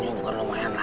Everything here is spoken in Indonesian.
ini bukan lumayan